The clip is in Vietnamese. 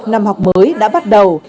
năm học mới đã bắt đầu